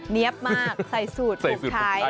เนี๊ยบมากใส่สูตรถูกใช้